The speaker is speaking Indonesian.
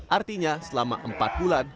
artinya selama empat bulan